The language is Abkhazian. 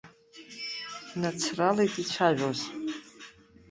Днацралеит ицәажәоз.